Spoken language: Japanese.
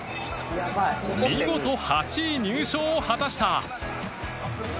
見事８位入賞を果たした